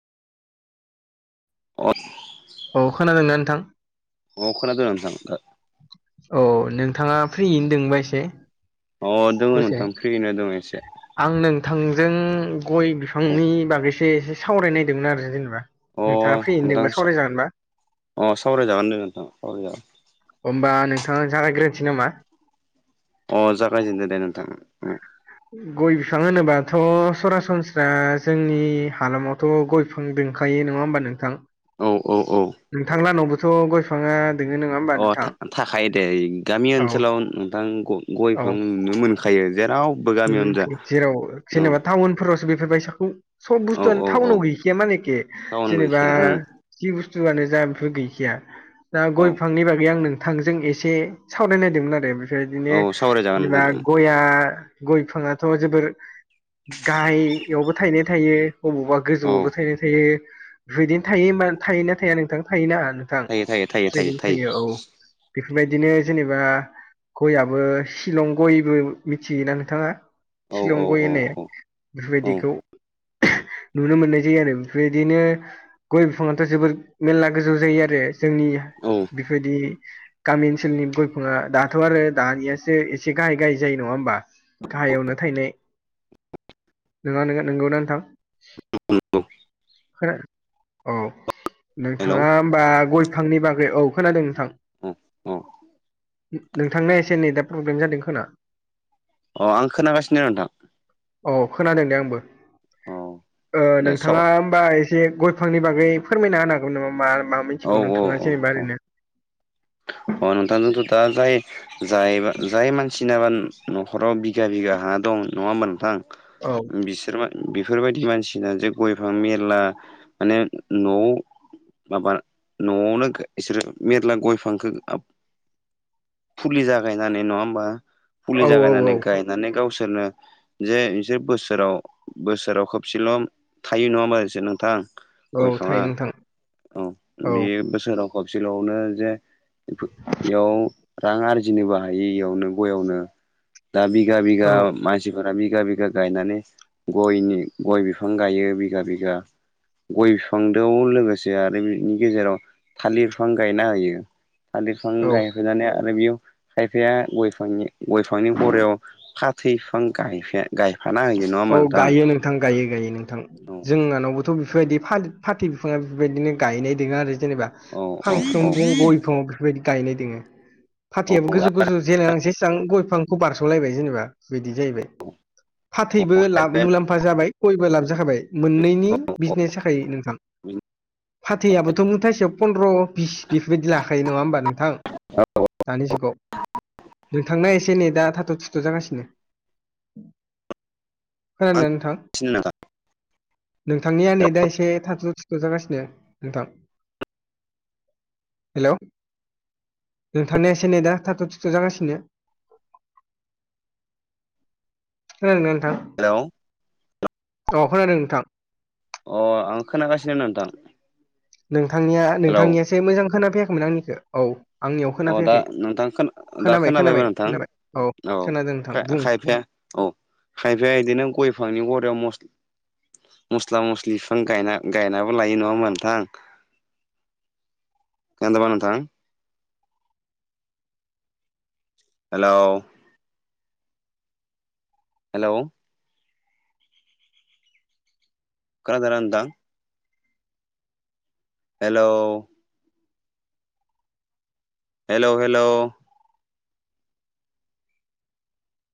[unintelligible] औ खोनादों ना नोंथां औ खोनादों नोंथां औ नोंथाङा फ्रियैनो दोंबा इसे अ दोङो नोंथां फ्रियैनो दोङो इसे आं नोंथांजों गय बिफांनि बागैसो एसे सावरायनायदोंमोन आरो जेनेबा औ अ नोंथाङा फ्रियैनो दों नोंथां बा सावराय जागोनबा अ सावरायजाबानो दे नोंथां [unintelligible] होमबा नोंथां आं जागायग्रोनसै नामा अ जागायजेनदो दे नोंथां गय बिफां होनोबाथ' सरासनस्रा जोंनि हालामाव थ' गय बिफां दोंखायो नङा होमबा नोंथां औ औ औ नोंथांलानावबोथ' गय बिफाङा दोङो नङा होमबा अ नोंथां थाखायो दे गामि औ ओनसोलाव नोंथां गय औ बिफां नुनो मोनखायो जेराव जेराव जेनेबा टाउनफोरावसो बेफोरबायसाखौ सब औ बुस्थुआनो औ औ थटाउनाव गैखाया मानेखे टाउन जेनेबा गैखाया ओं जि बुस्थुआनो जा बेफोर गैखाया दा गय औ बिफांनि बागै आं नों थांजों एसे सावरायनायदोंमोन आरो बेफोरबायदिनो औ सावरायजागोन जेनेबा नोंथां गया गय बिफाङाथ' जोबोर गाहायावबो थायनाय थायो अबावबा औ गोजौवावबो थायनाय थायो औ बेफोरबायदिनो थायो मा थायो ना थाया नोंथां थायो ना नोंथां थायो थायो थायो बेफोरबायदिनो थायो औ बेफोरबायदिनो जेनेबा गययाबो शिलं गयबो मिथियो ना नोंथाङा औ शिलं औ गय औ होननाय औ औ बेफोरबायदिखौ नुनो मोननाय जायो आरो बेफोलबायदिनो गय बिफाङा थ' जोबोर मेरला गोजौ जायो आरो जोंनि औ बेफोरबायदि गामि ओनसोलनि गय बिफाङा दाथ' आरो दानियासो एसे गाहाय गाहाय जायो नङा होमबा गाहायावनो थायनाय नङा नों नोंगौना नोंथां [unintelligible] खोना औ हेलौ नोंथाङा होमबा गय बिफांनि बागै औ खोनादों नोंथां [unintelligible] नोंथांना एसे नेदा प्रब्लेम जादों खोना अ आं खोनागासिनो नोंथां अ खोनादों दे आंबो औ दा साव नोंथाङा बा एसे गयफांनि बागै फोरमायना होनागौ नामा मा मा औ मोनथिगौ औ नोंथाङा औ जेनेबा औ ओरैनो अ नोंथांजोंथ' दा जाय ज जाय मानसि सिनाबा नखराव बिगा बिघा हा दं नङा होमबा नोंथां औ बिसोरबा बेफोरबायदि मानसिना जे गयफां मेरला माने न'आव माबा न'आवनो बिसोरो मेरला गयफांखौ फुलि जागायनानै नङा होमबा फुलि औ औ जागायनानै औ गाय होननानै गावसोरनो जे नोंसोर बोसोराव बोसोराव खबसेल' थायो नङा होनो नामा नोंसोर नोंथां औ गय थायो बिफाङा नोंथां औ बे बोसोराव खबसेल'आवनो जे बेयाव रां आरजिनोबो हायो इयावनो गयावनो दा बिगा बिगा औ मान मानसिफोरा बिगा बिगा गायनानै गयनि गय बिफां गायो बिगा बिगा गय बिफां द लोगोसे आरो बिनि गेजेराव थालिर बिफां गायना होयो थालिरफां औ गायफैनानै आरो बेयाव खायफाया गयफांनि गय बिफांनि गयाव फा फै बिफां ग गायफाना होयो नङा औ होमबा गायो नोंथां गायो गायो नोंथां औ जोंहानावथ' बेफोरबायदि फाथै बिफाङा बेफोरबायदिनो गायनाय दङ आरो जेनेबा औ औ औ फांफ्रोमबो गयफ्राव बेफोरबायदि गायनाय दोङो फाथैयाबो गोजौ गोजौ जेनायलांसैसेबां गय फांखौ बारस'लायबाय जेनेबा बिदि जाहैबाय न थैबो ला मुलाम्फा जाबाय गयबो लाब जाखाबाय मोननैनि बिजनेस जाखायो नोंथां फाथैयाबोथ' मुथासेयाव फन्द्र' बिस बेफोरबायदि लाखायो नङा होमबा नोंथां दानि जुगाव नोंथांनाया एसे नै दा थाथ' थुथ' जागासिनो खोनानाय नोंथां बिना नोंथांनिया नै दा एसे थाथ' थिथ' जागासिनो नोंथां हेल' जों थांनायासै नै दा थ' थिथ' जागासिनो नोंथां हेलौ अ खोनादों नोंथां अ आं खोनागासिनो नोंथां नोंथांनिया हेलौ नोंथांनियासो मोजां खोनाफैयाखैमोन आंनिखौ औ आंनियाव औ दा खोनाफैयाखै नोंथां दा खोनाबाय खोनाबाय खोनाबायमोन नोंथां खोनाबाय औ खोनादों नोंथां बुं खायफाया औ खायफाया बिदिनो गय फांनि गरयाव मसलि मस्ला मस्लि बिफां गायना गायनाबो लायो नङा नोंथां एथ' बानो था हेलौ हेलौ झार दा हेल' हेल' हेल'